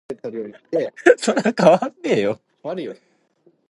The blog creates awareness about disability and accessibility issues.